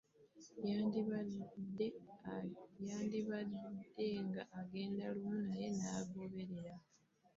Yandabanga nga ŋŋenda lumu naye n'agoberera.